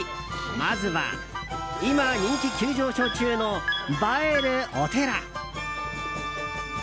まずは今、人気急上昇中の映えるお寺。